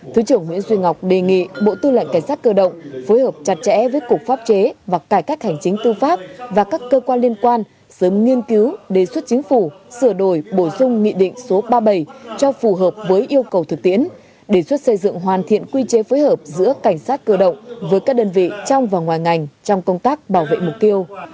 thứ trưởng nguyễn duy ngọc đề nghị bộ tư lệnh cảnh sát cơ động phối hợp chặt chẽ với cục pháp chế và cải các hành chính tư pháp và các cơ quan liên quan sớm nghiên cứu đề xuất chính phủ sửa đổi bổ sung nghị định số ba mươi bảy cho phù hợp với yêu cầu thực tiễn đề xuất xây dựng hoàn thiện quy chế phối hợp giữa cảnh sát cơ động với các đơn vị trong và ngoài ngành trong công tác bảo vệ mục tiêu